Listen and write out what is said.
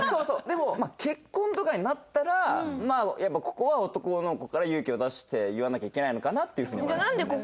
でも結婚とかになったらまあやっぱここは男の子から勇気を出して言わなきゃいけないのかなっていう風には思います。